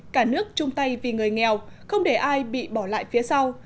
cả nước chung tay vì người nghèo không để ai bị bỏ lại phía sau